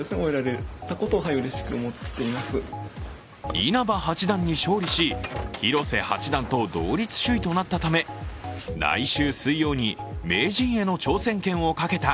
稲葉八段に勝利し、広瀬八段に同率首位となったため来週水曜に名人への挑戦権をかけた